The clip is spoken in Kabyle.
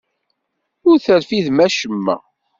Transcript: Ur terfidem acemma.